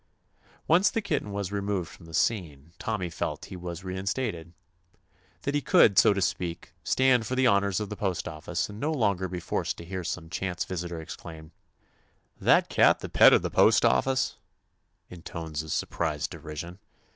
Once the kitten was removed from the scene, Tommy felt that he was re 193 THE ADVENTURES OF instated. That he could, so to speak, stand for the honors of the postoffice, and no longer be forced to hear some chance visitor exclaim : "That cat the pet of the postoffice *?'* in tones of surprised derision.